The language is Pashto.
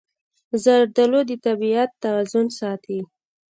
زردالو د طبیعت توازن ساتي.